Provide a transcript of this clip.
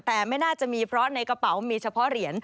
แต่ไม่น่าจะมีเพราะในกระเป๋ามีเฉพาะเหรียญ